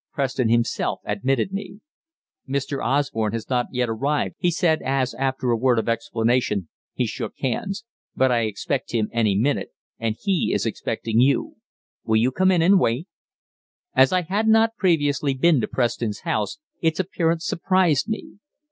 Preston himself admitted me. "Mr. Osborne has not yet arrived," he said as, after a word of explanation, we shook hands, "but I expect him any minute, and he is expecting you. Will you come in and wait?" As I had not previously been to Preston's house its appearance surprised me.